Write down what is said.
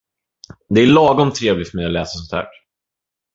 Det är lagom trevligt för mig att läsa sånt här.